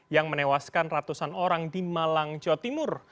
yang menewaskan ratusan orang di malang jawa timur